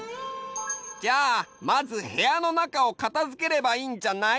じゃあまずへやのなかを片付ければいいんじゃない？